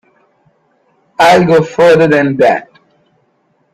I'll go further than that.